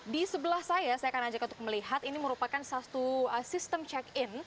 di sebelah saya saya akan ajak untuk melihat ini merupakan satu sistem check in